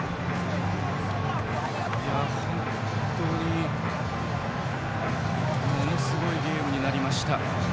本当に、ものすごいゲームになりました。